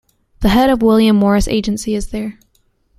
The head of the William Morris Agency is there.